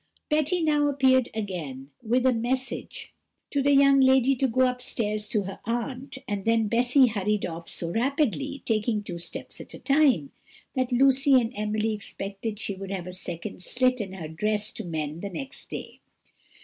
Betty now appeared again with a message to the young lady to go upstairs to her aunt, and then Bessy hurried off so rapidly, taking two steps at a time, that Lucy and Emily expected she would have a second slit in her dress to mend the next day.